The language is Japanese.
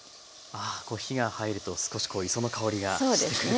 ああ火が入ると少しこう磯の香りがしてくる感じですね。